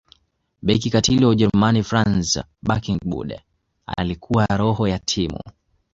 beki katili wa ujerumani franz beckenbauer alikuwa roho ya timu